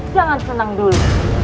jangan senang dulu